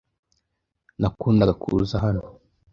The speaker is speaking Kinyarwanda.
Nakundaga kuza hano.